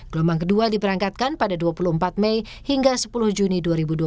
gelombang kedua diberangkatkan pada dua puluh empat mei hingga sepuluh juni dua ribu dua puluh